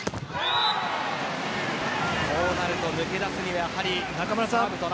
こうなると抜け出すには。